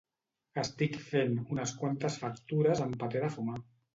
Estic fent unes quantes factures amb paper de fumar